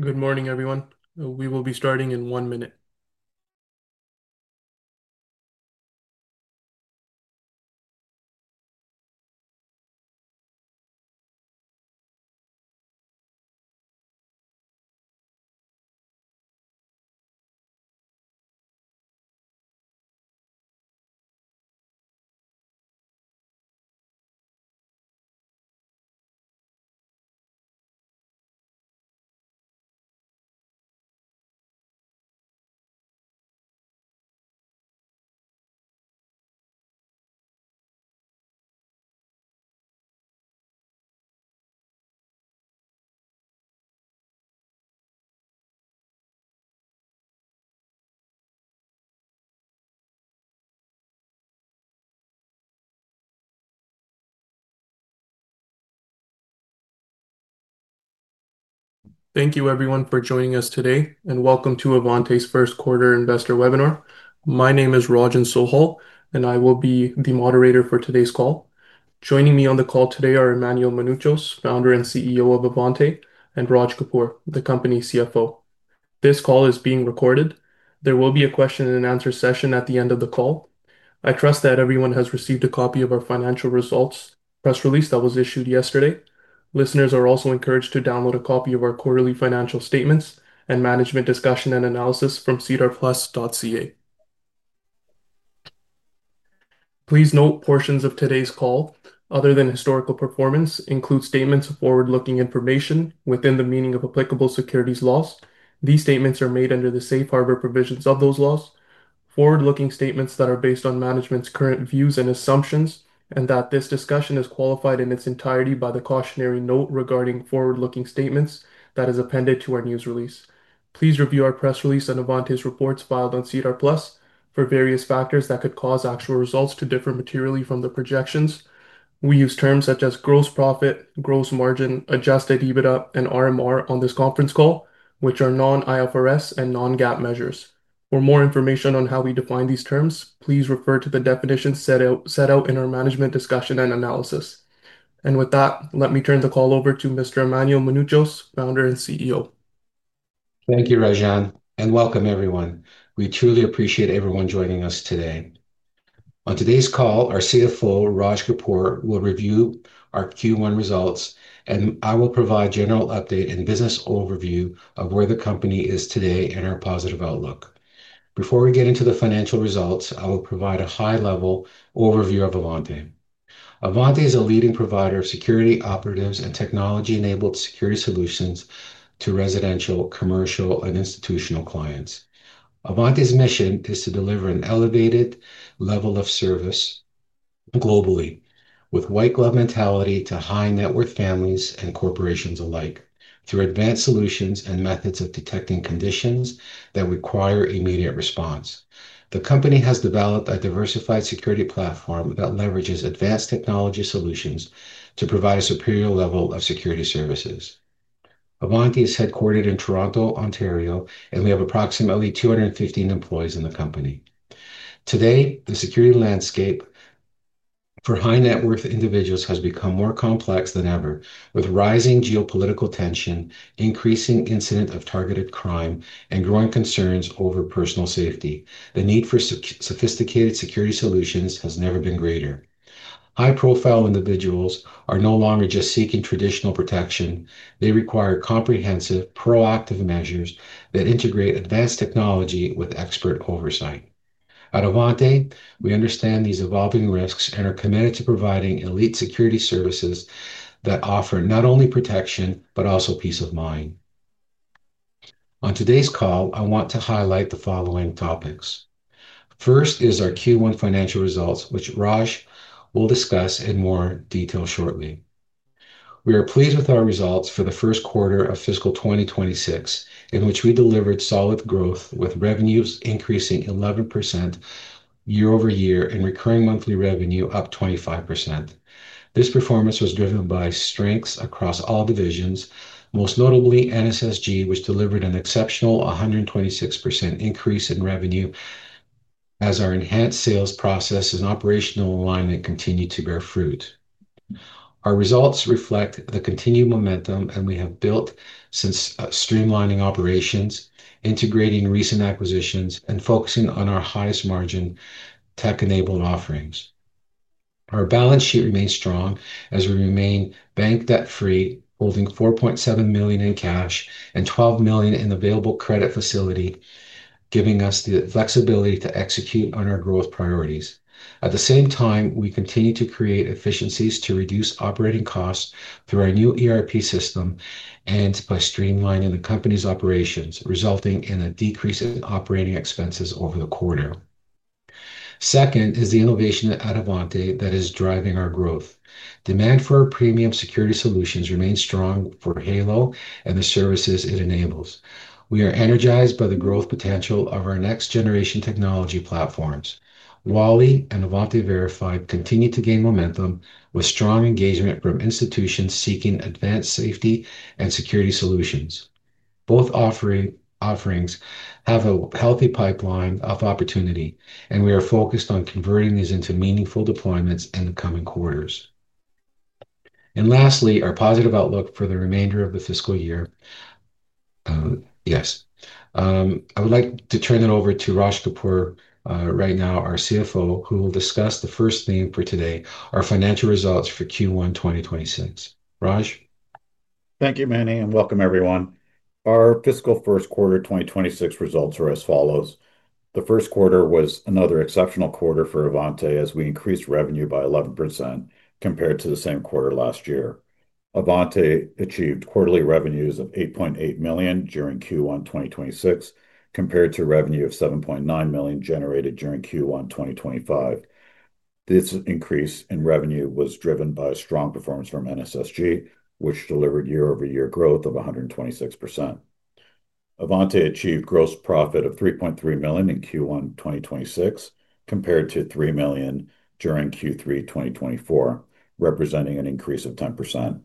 Good morning, everyone. We will be starting in one minute. Thank you, everyone, for joining us today, and welcome to Avante's First Quarter Investor Webinar. My name is Rajan Sohol, and I will be the moderator for today's call. Joining me on the call today are Emmanuel Mounouchos, Founder and CEO of Avante, and Raj Kapoor, the company CFO. This call is being recorded. There will be a question-and-answer session at the end of the call. I trust that everyone has received a copy of our financial results press release that was issued yesterday. Listeners are also encouraged to download a copy of our quarterly financial statements and management discussion and analysis from sedarplus.ca. Please note portions of today's call, other than historical performance, include statements of forward-looking information within the meaning of applicable securities laws. These statements are made under the safe harbor provisions of those laws, forward-looking statements that are based on management's current views and assumptions, and that this discussion is qualified in its entirety by the cautionary note regarding forward-looking statements that is appended to our news release. Please review our press release and Avante's reports filed on SEDARr+ for various factors that could cause actual results to differ materially from the projections. We use terms such as gross profit, gross margin, adjusted EBITDA, and RMR on this conference call, which are non-IFRS and non-GAAP measures. For more information on how we define these terms, please refer to the definitions set out in our management discussion and analysis. With that, let me turn the call over to Mr. Emmanuel Mounouchos, Founder and CEO. Thank you, Rajan, and welcome, everyone. We truly appreciate everyone joining us today. On today's call, our CFO, Raj Kapoor, will review our Q1 results, and I will provide a general update and business overview of where the company is today and our positive outlook. Before we get into the financial results, I will provide a high-level overview of Avante. Avante is a leading provider of security operatives and technology-enabled security solutions to residential, commercial, and institutional clients. Avante's mission is to deliver an elevated level of service globally, with white-glove mentality to high-net-worth families and corporations alike, through advanced solutions and methods of detecting conditions that require immediate response. The company has developed a diversified security platform that leverages advanced technology solutions to provide a superior level of security services. Avante is headquartered in Toronto, Ontario, and we have approximately 215 employees in the company. Today, the security landscape for high-net-worth individuals has become more complex than ever, with rising geopolitical tension, increasing incidents of targeted crime, and growing concerns over personal safety. The need for sophisticated security solutions has never been greater. High-profile individuals are no longer just seeking traditional protection; they require comprehensive, proactive measures that integrate advanced technology with expert oversight. At Avante, we understand these evolving risks and are committed to providing elite security services that offer not only protection but also peace of mind. On today's call, I want to highlight the following topics. First is our Q1 financial results, which Raj will discuss in more detail shortly. We are pleased with our results for the first quarter of fiscal 2026, in which we delivered solid growth, with revenues increasing 11% year-over-year and recurring monthly revenue up 25%. This performance was driven by strengths across all divisions, most notably NSSG, which delivered an exceptional 126% increase in revenue as our enhanced sales process and operational alignment continued to bear fruit. Our results reflect the continued momentum we have built since streamlining operations, integrating recent acquisitions, and focusing on our highest margin tech-enabled offerings. Our balance sheet remains strong as we remain bank debt-free, holding $4.7 million in cash and $12 million in available credit facilities, giving us the flexibility to execute on our growth priorities. At the same time, we continue to create efficiencies to reduce operating costs through our new ERP system and by streamlining the company's operations, resulting in a decrease in operating expenses over the quarter. Second is the innovation at Avante that is driving our growth. Demand for our premium security solutions remains strong for Halo and the services it enables. We are energized by the growth potential of our next-generation technology platforms. WALL-E and Avante Verified continue to gain momentum with strong engagement from institutions seeking advanced safety and security solutions. Both offerings have a healthy pipeline of opportunity, and we are focused on converting these into meaningful deployments in the coming quarters. Lastly, our positive outlook for the remainder of the fiscal year. I would like to turn it over to Raj Kapoor right now, our CFO, who will discuss the first theme for today, our financial results for Q1 2026. Raj? Thank you, Manny, and welcome, everyone. Our fiscal first quarter 2026 results are as follows. The first quarter was another exceptional quarter for Avante as we increased revenue by 11% compared to the same quarter last year. Avante achieved quarterly revenues of $8.8 million during Q1 2026 compared to revenue of $7.9 million generated during Q1 2025. This increase in revenue was driven by a strong performance from NSSG, which delivered year-over-year growth of 126%. Avante achieved gross profit of $3.3 million in Q1 2026 compared to $3 million during Q3 2024, representing an increase of 10%.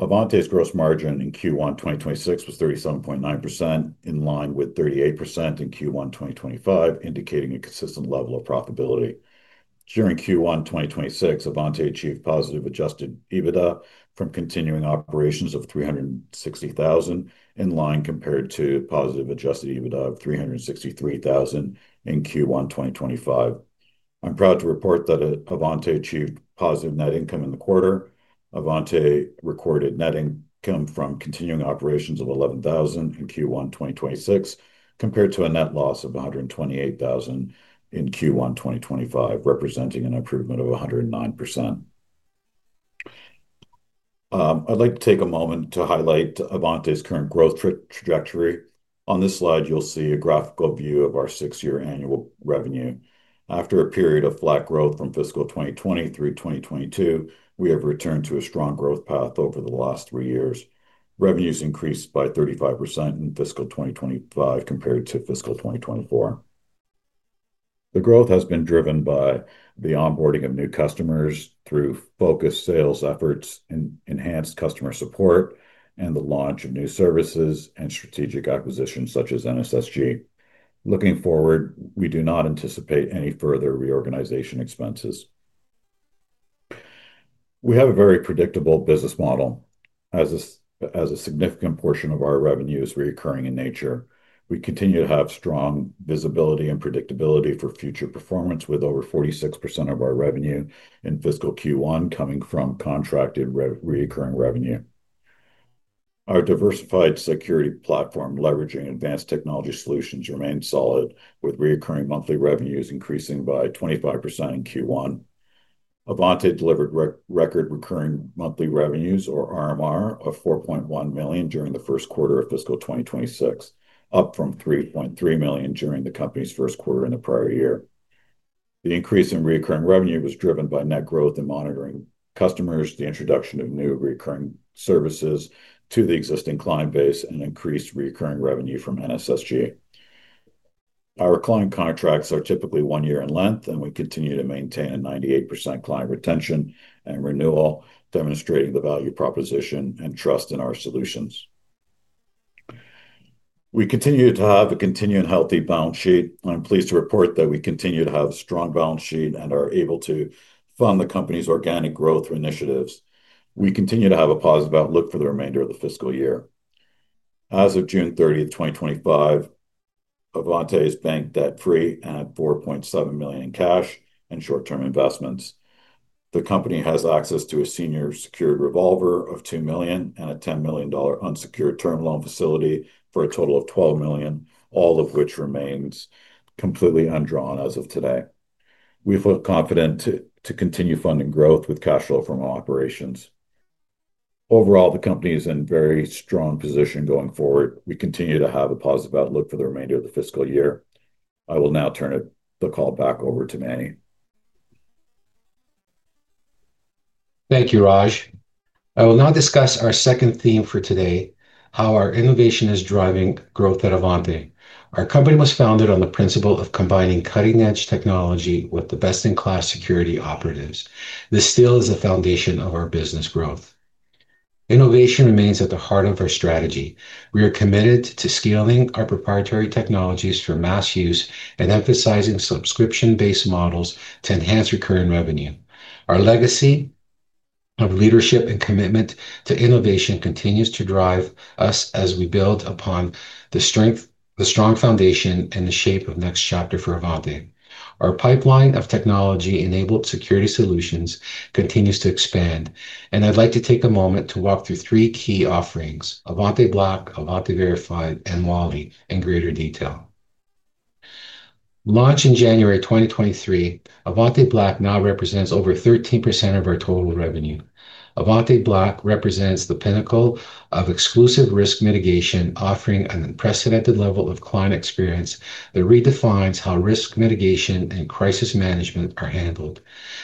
Avante's gross margin in Q1 2026 was 37.9%, in line with 38% in Q1 2025, indicating a consistent level of profitability. During Q1 2026, Avante achieved positive adjusted EBITDA from continuing operations of $360,000, in line compared to positive adjusted EBITDA of $363,000 in Q1 2025. I'm proud to report that Avante achieved positive net income in the quarter. Avante recorded net income from continuing operations of $11,000 in Q1 2026 compared to a net loss of $128,000 in Q1 2025, representing an improvement of 109%. I'd like to take a moment to highlight Avante's current growth trajectory. On this slide, you'll see a graphical view of our six-year annual revenue. After a period of flat growth from fiscal 2020 through 2022, we have returned to a strong growth path over the last three years. Revenues increased by 35% in fiscal 2025 compared to fiscal 2024. The growth has been driven by the onboarding of new customers through focused sales efforts, enhanced customer support, and the launch of new services and strategic acquisitions such as NSSG. Looking forward, we do not anticipate any further reorganization expenses. We have a very predictable business model. As a significant portion of our revenue is recurring in nature, we continue to have strong visibility and predictability for future performance, with over 46% of our revenue in fiscal Q1 coming from contracted recurring revenue. Our diversified security platform, leveraging advanced technology solutions, remains solid, with recurring monthly revenues increasing by 25% in Q1. Avante delivered record recurring monthly revenues, or RMR, of $4.1 million during the first quarter of fiscal 2026, up from $3.3 million during the company's first quarter in the prior year. The increase in recurring revenue was driven by net growth in monitoring customers, the introduction of new recurring services to the existing client base, and increased recurring revenue from NSSG. Our client contracts are typically one year in length, and we continue to maintain a 98% client retention and renewal, demonstrating the value proposition and trust in our solutions. We continue to have a healthy balance sheet. I'm pleased to report that we continue to have a strong balance sheet and are able to fund the company's organic growth initiatives. We continue to have a positive outlook for the remainder of the fiscal year. As of June 30, 2025, Avante's bank debt-free and at $4.7 million in cash and short-term investments. The company has access to a senior secured revolver of $2 million and a $10 million unsecured term loan facility for a total of $12 million, all of which remains completely undrawn as of today. We feel confident to continue funding growth with cash flow from our operations. Overall, the company is in a very strong position going forward. We continue to have a positive outlook for the remainder of the fiscal year. I will now turn the call back over to Manny. Thank you, Raj. I will now discuss our second theme for today, how our innovation is driving growth at Avante. Our company was founded on the principle of combining cutting-edge technology with the best-in-class security operatives. This still is the foundation of our business growth. Innovation remains at the heart of our strategy. We are committed to scaling our proprietary technologies for mass use and emphasizing subscription-based models to enhance recurring revenue. Our legacy of leadership and commitment to innovation continues to drive us as we build upon the strong foundation and the shape of the next chapter for Avante. Our pipeline of technology-enabled security solutions continues to expand, and I'd like to take a moment to walk through three key offerings: Avante Black, Avante Verified, and WALL-E in greater detail. Launched in January 2023, Avante Black now represents over 13% of our total revenue. Avante Black represents the pinnacle of exclusive risk mitigation, offering an unprecedented level of client experience that redefines how risk mitigation and crisis management are handled.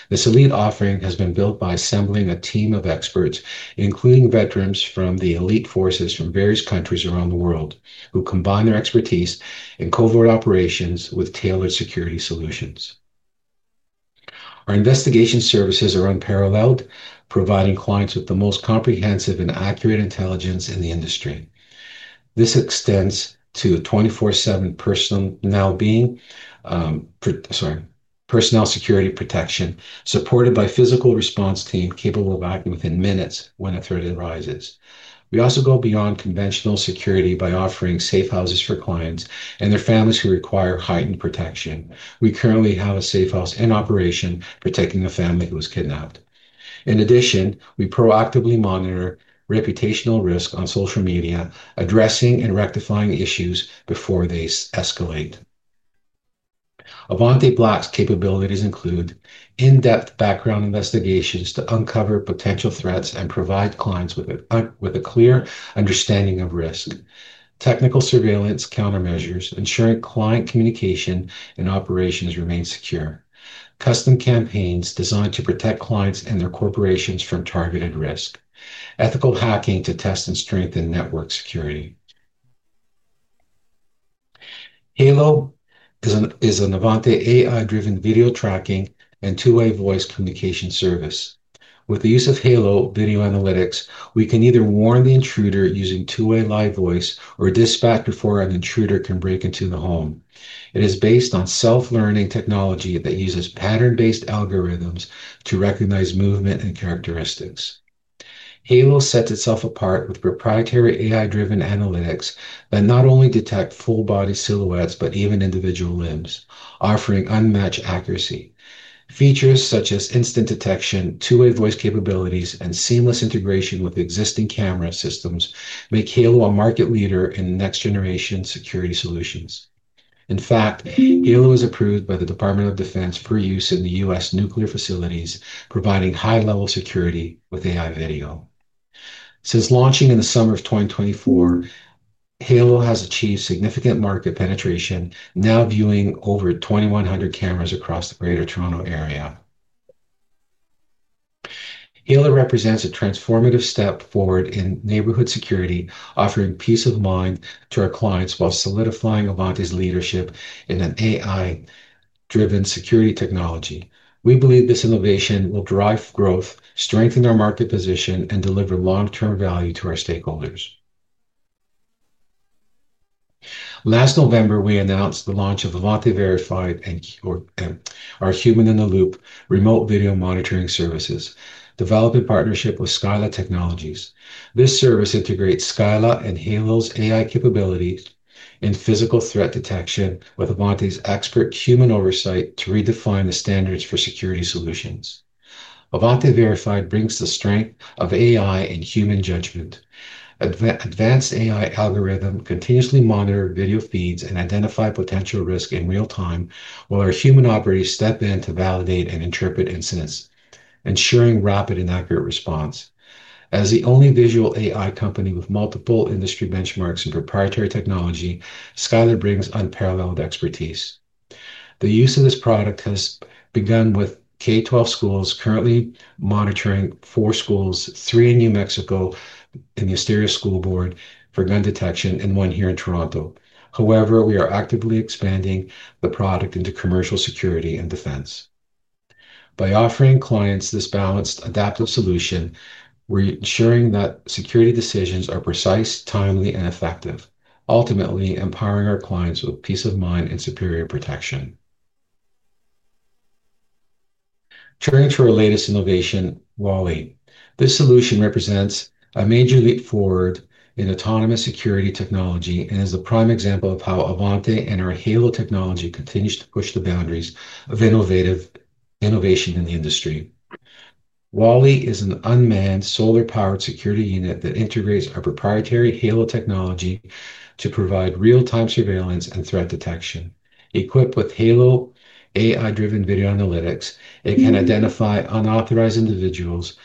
This elite offering has been built by assembling a team of experts, including veterans from the elite forces from various countries around the world, who combine their expertise in covert operations with tailored security solutions. Our investigation services are unparalleled, providing clients with the most comprehensive and accurate intelligence in the industry. This extends to 24/7 personal security protection, supported by a physical response team capable of acting within minutes when a threat arises. We also go beyond conventional security by offering safe houses for clients and their families who require heightened protection. We currently have a safe house in operation, protecting the family who was kidnapped. In addition, we proactively monitor reputational risk on social media, addressing and rectifying issues before they escalate. Avante Black's capabilities include in-depth background investigations to uncover potential threats and provide clients with a clear understanding of risks, technical surveillance countermeasures, ensuring client communication and operations remain secure, custom campaigns designed to protect clients and their corporations from targeted risk, and ethical hacking to test and strengthen network security. Halo is an Avante AI-driven video tracking and two-way voice communication service. With the use of Halo video analytics, we can either warn the intruder using two-way live voice or dispatch before an intruder can break into the home. It is based on self-learning technology that uses pattern-based algorithms to recognize movement and characteristics. Halo sets itself apart with proprietary AI-driven analytics that not only detect full-body silhouettes but even individual limbs, offering unmatched accuracy. Features such as instant detection, two-way voice capabilities, and seamless integration with existing camera systems make Halo a market leader in next-generation security solutions. In fact, Halo was approved by the Department of Defense for use in U.S. nuclear facilities, providing high-level security with AI video. Since launching in the summer of 2024, Halo has achieved significant market penetration, now viewing over 2,100 cameras across the Greater Toronto Area. Halo represents a transformative step forward in neighborhood security, offering peace of mind to our clients while solidifying Avante's leadership in AI-driven security technology. We believe this innovation will drive growth, strengthen our market position, and deliver long-term value to our stakeholders. Last November, we announced the launch of Avante Verified and our Human-in-the-Loop remote video monitoring services, developed in partnership with Scylla Technologies Inc. This service integrates Scylla and Halo's AI capabilities in physical threat detection, with Avante's expert human oversight to redefine the standards for security solutions. Avante Verified brings the strength of AI and human judgment. Advanced AI algorithms continuously monitor video feeds and identify potential risks in real time, while our human operators step in to validate and interpret incidents, ensuring rapid and accurate response. As the only visual AI company with multiple industry benchmarks and proprietary technology, Scylla brings unparalleled expertise. The use of this product has begun with K-12 schools, currently monitoring four schools, three in New Mexico in the Estero School Board for gun detection and one here in Toronto. However, we are actively expanding the product into commercial security and defense. By offering clients this balanced, adaptive solution, we're ensuring that security decisions are precise, timely, and effective, ultimately empowering our clients with peace of mind and superior protection. Turning to our latest innovation, WALL-E. This solution represents a major leap forward in autonomous security technology and is a prime example of how Avante and our Halo technology continue to push the boundaries of innovation in the industry. WALL-E is an unmanned, solar-powered security unit that integrates our proprietary Halo technology to provide real-time surveillance and threat detection. Equipped with Halo AI-driven video analytics, it can identify unauthorized individuals,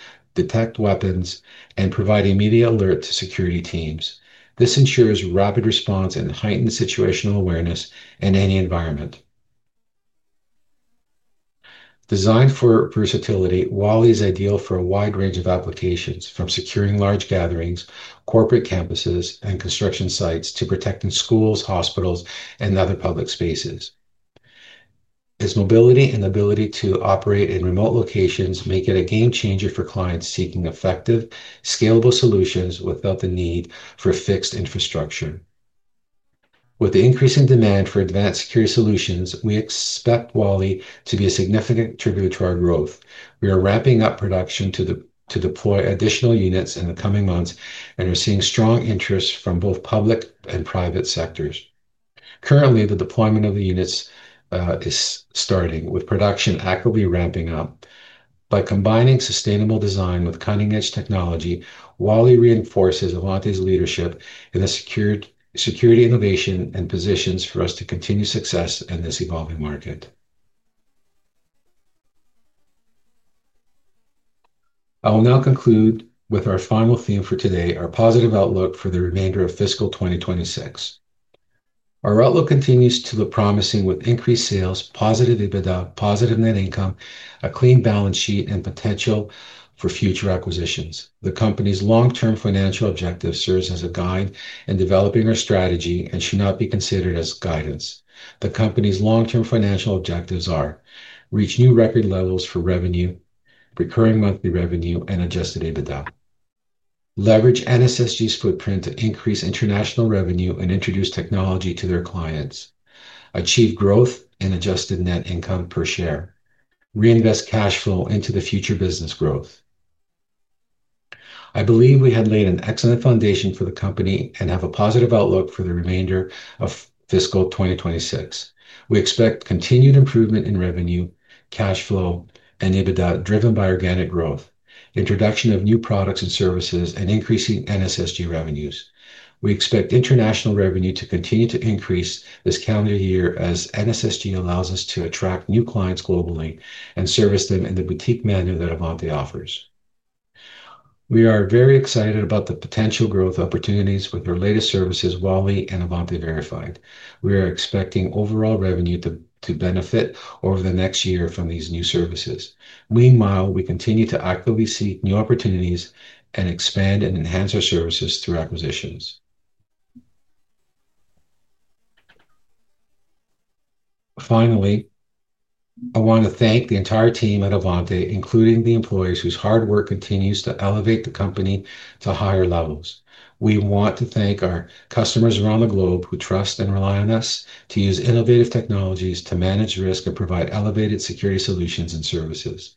detect weapons, and provide immediate alerts to security teams. This ensures rapid response and heightened situational awareness in any environment. Designed for versatility, WALL-E is ideal for a wide range of applications, from securing large gatherings, corporate campuses, and construction sites to protecting schools, hospitals, and other public spaces. Its mobility and ability to operate in remote locations make it a game changer for clients seeking effective, scalable solutions without the need for fixed infrastructure. With the increasing demand for advanced security solutions, we expect WALL-E to be a significant contributor to our growth. We are ramping up production to deploy additional units in the coming months and are seeing strong interest from both public and private sectors. Currently, the deployment of the units is starting, with production actively ramping up. By combining sustainable design with cutting-edge technology, WALL-E reinforces Avante's leadership in security innovation and positions us to continue success in this evolving market. I will now conclude with our final theme for today, our positive outlook for the remainder of fiscal 2026. Our outlook continues to look promising with increased sales, positive EBITDA, positive net income, a clean balance sheet, and potential for future acquisitions. The company's long-term financial objective serves as a guide in developing our strategy and should not be considered as guidance. The company's long-term financial objectives are: reach new record levels for revenue, recurring monthly revenue, and adjusted EBITDA. Leverage NSSG's footprint to increase international revenue and introduce technology to their clients. Achieve growth and adjusted net income per share. Reinvest cash flow into future business growth. I believe we have laid an excellent foundation for the company and have a positive outlook for the remainder of fiscal 2026. We expect continued improvement in revenue, cash flow, and EBITDA, driven by organic growth, introduction of new products and services, and increasing NSSG revenues. We expect international revenue to continue to increase this calendar year as NSSG allows us to attract new clients globally and service them in the boutique manner that Avante offers. We are very excited about the potential growth opportunities with our latest services, WALL-E and Avante Verified. We are expecting overall revenue to benefit over the next year from these new services. Meanwhile, we continue to actively seek new opportunities and expand and enhance our services through acquisitions. Finally, I want to thank the entire team at Avante, including the employees whose hard work continues to elevate the company to higher levels. We want to thank our customers around the globe who trust and rely on us to use innovative technologies to manage risk and provide elevated security solutions and services.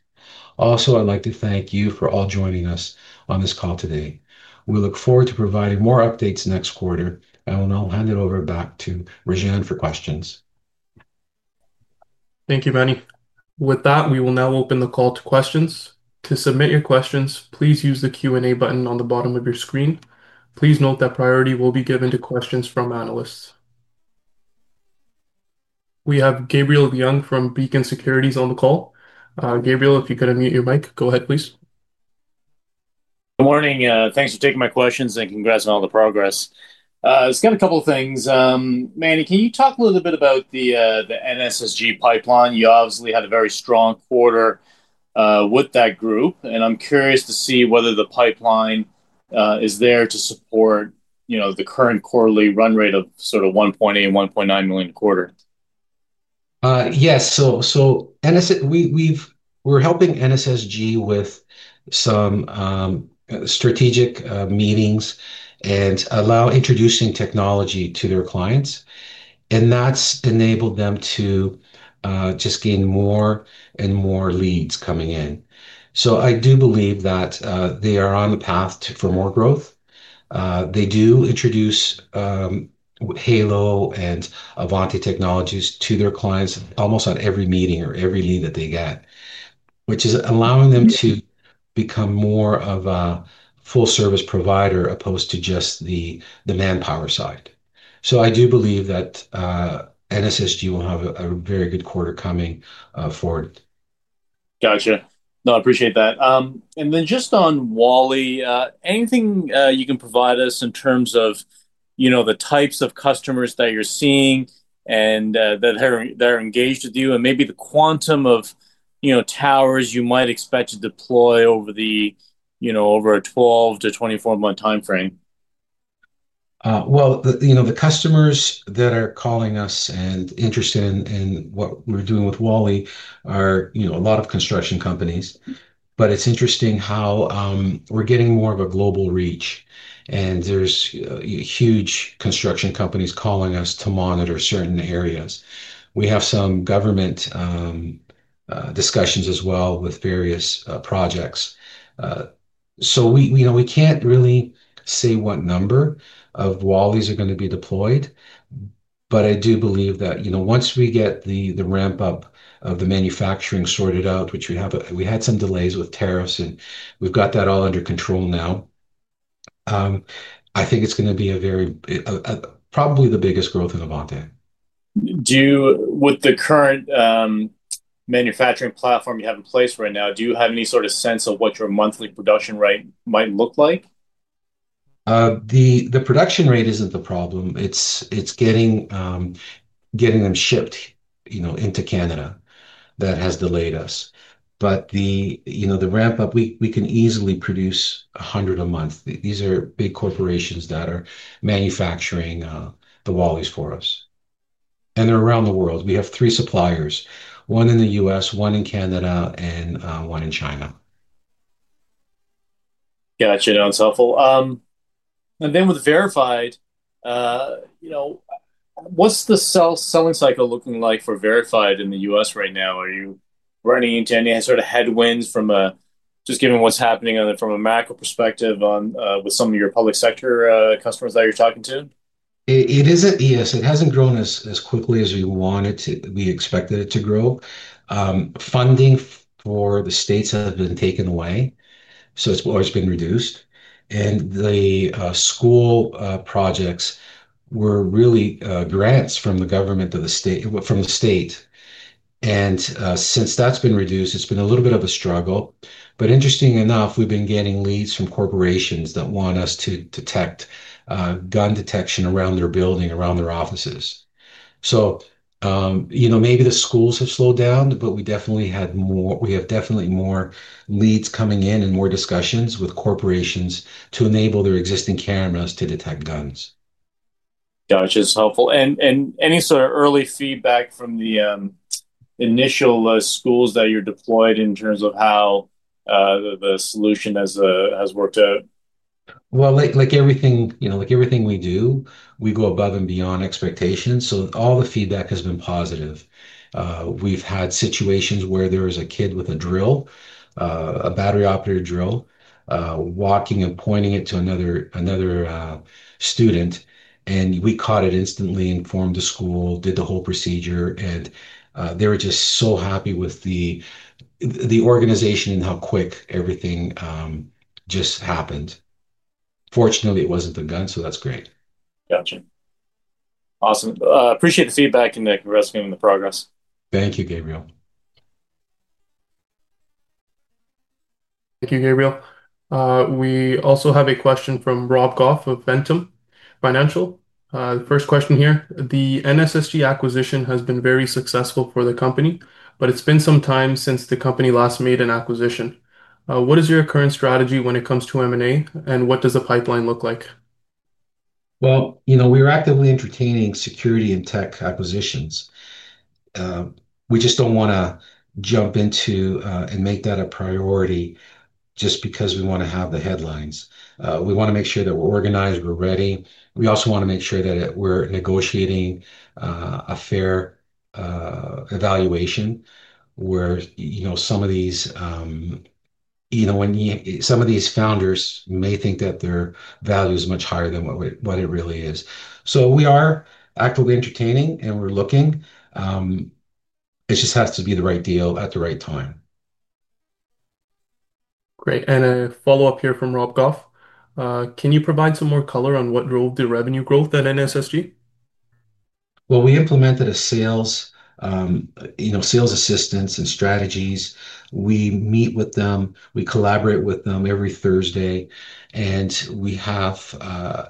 Also, I'd like to thank you for all joining us on this call today. We look forward to providing more updates next quarter, and I'll now hand it over back to Rajan for questions. Thank you, Manny. With that, we will now open the call to questions. To submit your questions, please use the Q&A button on the bottom of your screen. Please note that priority will be given to questions from analysts. We have Gabriel Leung from Beacon Securities on the call. Gabriel, if you could unmute your mic, go ahead, please. Good morning. Thanks for taking my questions and congrats on all the progress. I just got a couple of things. Manny, can you talk a little bit about the NSSG pipeline? You obviously had a very strong quarter with that group, and I'm curious to see whether the pipeline is there to support the current quarterly run rate of $1.8 million, $1.9 million a quarter. Yes, we're helping NSSG with some strategic meetings and allow introducing technology to their clients, and that's enabled them to just gain more and more leads coming in. I do believe that they are on the path for more growth. They do introduce Halo and Avante technologies to their clients almost on every meeting or every lead that they get, which is allowing them to become more of a full-service provider as opposed to just the manpower side. I do believe that NSSG will have a very good quarter coming forward. Gotcha. No, I appreciate that. Just on WALL-E, anything you can provide us in terms of the types of customers that you're seeing and that are engaged with you and maybe the quantum of towers you might expect to deploy over a 12 to 24-month timeframe? The customers that are calling us and interested in what we're doing with WALL-E are a lot of construction companies, but it's interesting how we're getting more of a global reach and there's huge construction companies calling us to monitor certain areas. We have some government discussions as well with various projects. We can't really say what number of WALL-Es are going to be deployed, but I do believe that once we get the ramp-up of the manufacturing sorted out, which we had some delays with tariffs, and we've got that all under control now, I think it's going to be probably the biggest growth in Avante. With the current manufacturing platform you have in place right now, do you have any sort of sense of what your monthly production rate might look like? The production rate isn't the problem. It's getting them shipped, you know, into Canada that has delayed us. The ramp-up, we can easily produce 100 a month. These are big corporations that are manufacturing the WALL-Es for us, and they're around the world. We have three suppliers: one in the U.S., one in Canada, and one in China. Gotcha. No, it's helpful. With Verified, you know, what's the selling cycle looking like for Verified in the U.S. right now? Are you running into any sort of headwinds, just given what's happening from a macro perspective with some of your public sector customers that you're talking to? Yes, it hasn't grown as quickly as we wanted to. We expected it to grow. Funding for the states has been taken away, so it's always been reduced. The school projects were really grants from the government of the state. Since that's been reduced, it's been a little bit of a struggle. Interesting enough, we've been getting leads from corporations that want us to detect gun detection around their building, around their offices. Maybe the schools have slowed down, but we definitely have more leads coming in and more discussions with corporations to enable their existing cameras to detect guns. Gotcha. It's helpful. Any sort of early feedback from the initial schools that you're deployed in terms of how the solution has worked out? Like everything we do, we go above and beyond expectations. All the feedback has been positive. We've had situations where there was a kid with a drill, a battery-operated drill, walking it, pointing it to another student, and we caught it instantly, informed the school, did the whole procedure, and they were just so happy with the organization and how quick everything just happened. Fortunately, it wasn't the gun, so that's great. Gotcha. Awesome. Appreciate the feedback and congrats on the progress. Thank you, Gabriel. Thank you, Gabriel. We also have a question from Rob Goff of Ventum Financial. First question here. The NSSG acquisition has been very successful for the company, but it's been some time since the company last made an acquisition. What is your current strategy when it comes to M&A, and what does the pipeline look like? You know, we're actively entertaining security and tech acquisitions. We just don't want to jump into and make that a priority just because we want to have the headlines. We want to make sure that we're organized, we're ready. We also want to make sure that we're negotiating a fair evaluation where some of these founders may think that their value is much higher than what it really is. We are actively entertaining and we're looking. It just has to be the right deal at the right time. Great. A follow-up here from Rob Goff. Can you provide some more color on what drove the revenue growth at NSSG? We implemented a sales, you know, sales assistance and strategies. We meet with them, we collaborate with them every Thursday, and we have,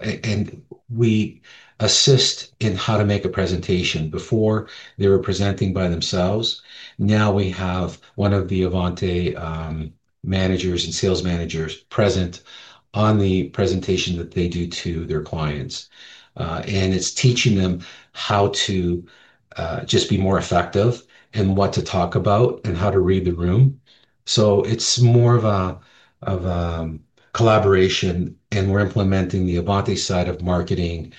and we assist in how to make a presentation. Before, they were presenting by themselves. Now we have one of the Avante managers and sales managers present on the presentation that they do to their clients. It's teaching them how to just be more effective and what to talk about and how to read the room. It's more of a collaboration, and we're implementing the Avante side of marketing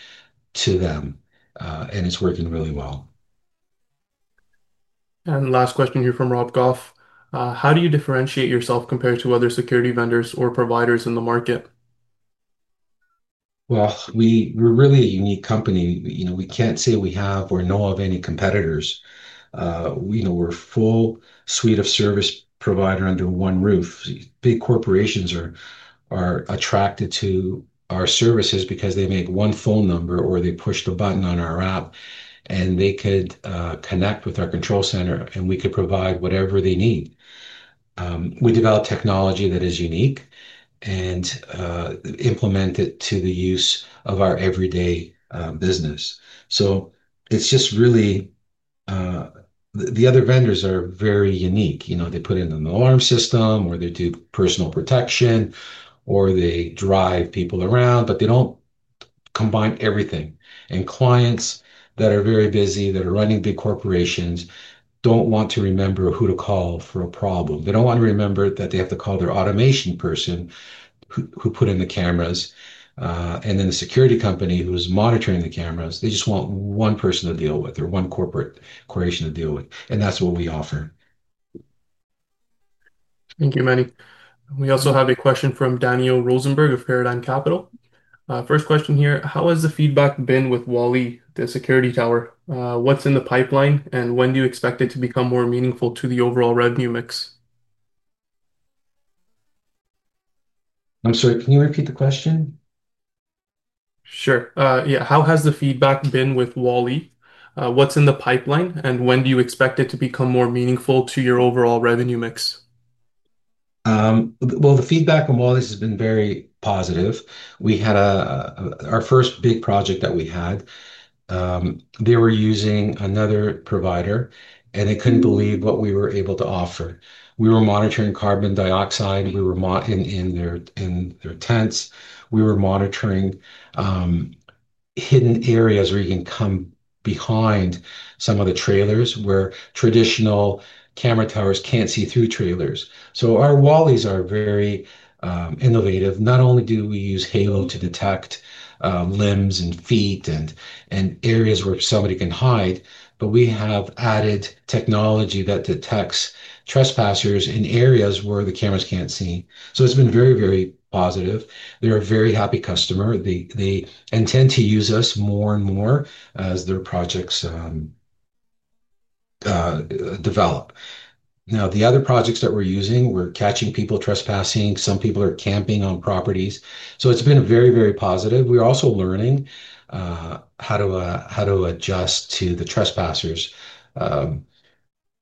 to them, and it's working really well. Last question here from Rob Goff. How do you differentiate yourself compared to other security vendors or providers in the market? We're really a unique company. We can't say we have or know of any competitors. We're a full suite of service providers under one roof. Big corporations are attracted to our services because they make one phone number or they push the button on our app and they could connect with our control center and we could provide whatever they need. We develop technology that is unique and implement it to the use of our everyday business. The other vendors are very unique. They put in an alarm system or they do personal protection or they drive people around, but they don't combine everything. Clients that are very busy, that are running big corporations don't want to remember who to call for a problem. They don't want to remember that they have to call their automation person who put in the cameras and then the security company who's monitoring the cameras. They just want one person to deal with or one corporation to deal with. That's what we offer. Thank you, Manny. We also have a question from Daniel Rosenberg of Paradigm Capital. First question here. How has the feedback been with WALL-E, the security tower? What's in the pipeline, and when do you expect it to become more meaningful to the overall revenue mix? I'm sorry, can you repeat the question? Sure. Yeah. How has the feedback been with WALL-E? What's in the pipeline, and when do you expect it to become more meaningful to your overall revenue mix? The feedback on WALL-E has been very positive. We had our first big project that we had. They were using another provider, and they couldn't believe what we were able to offer. We were monitoring carbon dioxide in their tents. We were monitoring hidden areas where you can come behind some of the trailers where traditional camera towers can't see through trailers. Our WALL-Es are very innovative. Not only do we use Halo to detect limbs and feet and areas where somebody can hide, but we have added technology that detects trespassers in areas where the cameras can't see. It's been very, very positive. They're a very happy customer. They intend to use us more and more as their projects develop. The other projects that we're using, we're catching people trespassing. Some people are camping on properties. It's been very, very positive. We're also learning how to adjust to the trespassers.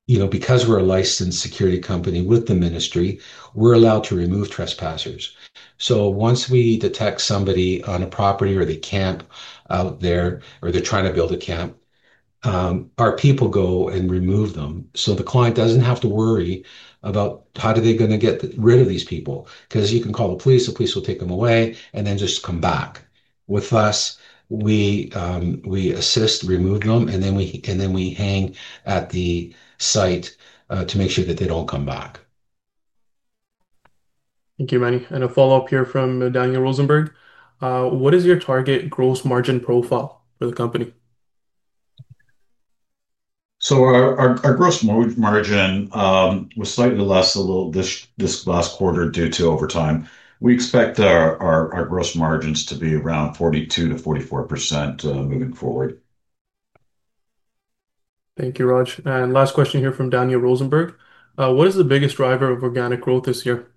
Because we're a licensed security company with the ministry, we're allowed to remove trespassers. Once we detect somebody on a property or they camp out there or they're trying to build a camp, our people go and remove them. The client doesn't have to worry about how they're going to get rid of these people because you can call the police, the police will take them away and then just come back. With us, we assist, remove them, and then we hang at the site to make sure that they don't come back. Thank you, Manny. A follow-up here from Daniel Rosenberg. What is your target gross margin profile for the company? Our gross margin was slightly less this last quarter due to overtime. We expect our gross margins to be around 42%-44% moving forward. Thank you, Raj. Last question here from Daniel Rosenberg. What is the biggest driver of organic growth this year?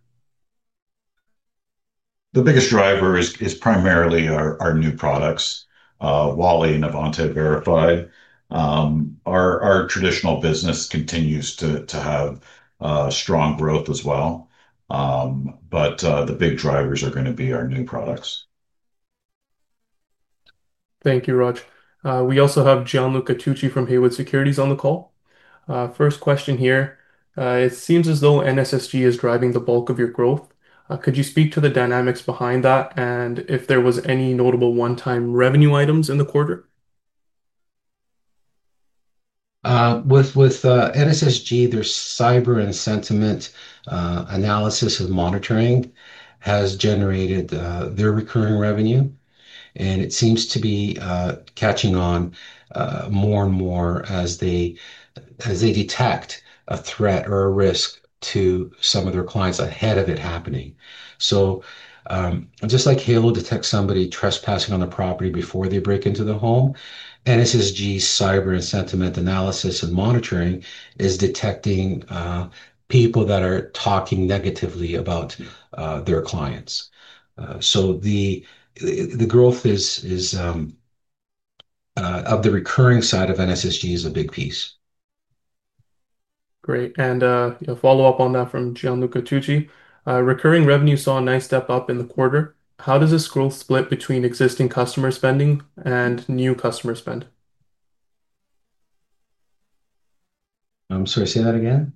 The biggest driver is primarily our new products, WALL-E and Avante Verified. Our traditional business continues to have strong growth as well, but the big drivers are going to be our new products. Thank you, Raj. We also have Gianluca Tucci from Haywood Securities on the call. First question here. It seems as though NSSG is driving the bulk of your growth. Could you speak to the dynamics behind that and if there were any notable one-time revenue items in the quarter? With NSSG, their cyber and sentiment analysis and monitoring has generated their recurring revenue, and it seems to be catching on more and more as they detect a threat or a risk to some of their clients ahead of it happening. Just like Halo detects somebody trespassing on a property before they break into the home, NSSG's cyber and sentiment analysis and monitoring is detecting people that are talking negatively about their clients. The growth of the recurring side of NSSG is a big piece. Great. A follow-up on that from Gianluca Tucci. Recurring revenue saw a nice step up in the quarter. How does this growth split between existing customer spending and new customer spend? I'm sorry, say that again.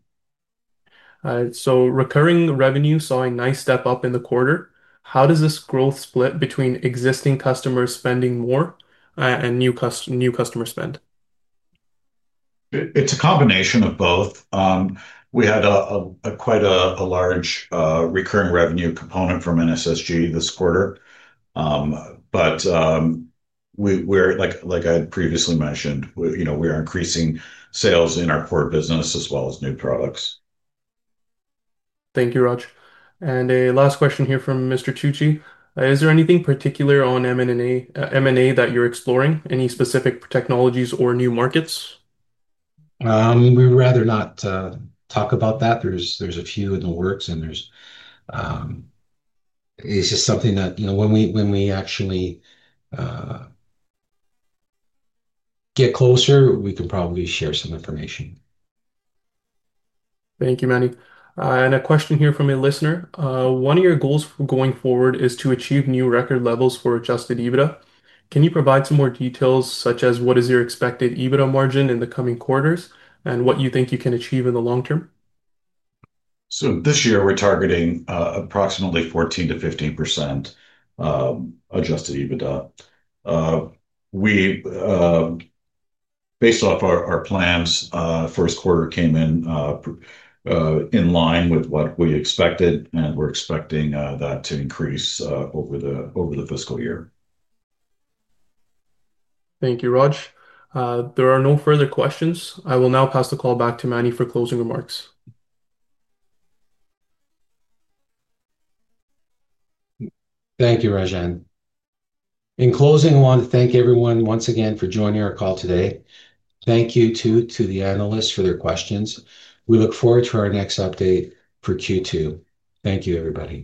Recurring revenue saw a nice step up in the quarter. How does this growth split between existing customers spending more and new customers spend? It's a combination of both. We had quite a large recurring revenue component from NSSG this quarter, but like I had previously mentioned, we are increasing sales in our core business as well as new products. Thank you, Raj. A last question here from Mr. Tucci. Is there anything particular on M&A that you're exploring? Any specific technologies or new markets? We'd rather not talk about that. There are a few in the works, and it's just something that, you know, when we actually get closer, we could probably share some information. Thank you, Manny. A question here from a listener. One of your goals going forward is to achieve new record levels for adjusted EBITDA. Can you provide some more details, such as what is your expected EBITDA margin in the coming quarters and what you think you can achieve in the long term? This year, we're targeting approximately 14%-15% adjusted EBITDA. Based off our plans, the first quarter came in in line with what we expected, and we're expecting that to increase over the fiscal year. Thank you, Raj. There are no further questions. I will now pass the call back to Manny for closing remarks. Thank you, Rajan. In closing, I want to thank everyone once again for joining our call today. Thank you too to the analysts for their questions. We look forward to our next update for Q2. Thank you, everybody.